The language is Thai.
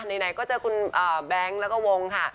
ไหนก็เจอคุณแบงค์แล้วก็วงค่ะ